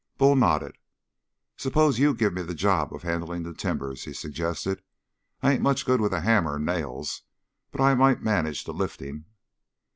Bull nodded. "Suppose you give me the job handling the timbers?" he suggested. "I ain't much good with a hammer and nails, but I might manage the lifting."